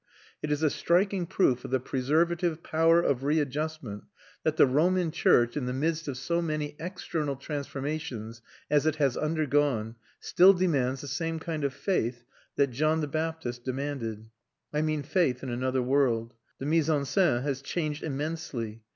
It is a striking proof of the preservative power of readjustment that the Roman church, in the midst of so many external transformations as it has undergone, still demands the same kind of faith that John the Baptist demanded, I mean faith in another world. The mise en scène has changed immensely.